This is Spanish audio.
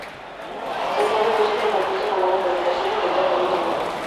Se trata de un centrocampista con buena colocación y que trata bien el balón.